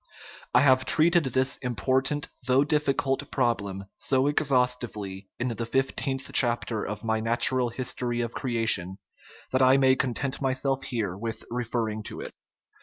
I have treated this important, though diffi cult, problem so exhaustively in the fifteenth chap ter of my Natural History of Creation that I may con tent myself here with referring to it.